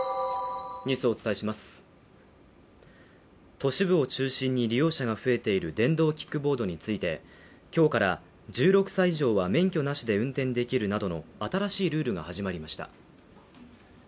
都市部を中心に利用者が増えている電動キックボードについて、今日から１６歳以上は免許なしで運転できるなどの新しいルールが始まりました。